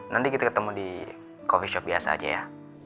nanti kita ketemu di coffee shop biasa aja ya